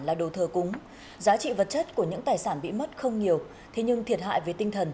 là đồ thờ cúng giá trị vật chất của những tài sản bị mất không nhiều thế nhưng thiệt hại về tinh thần